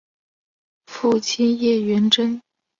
父亲叶原贞。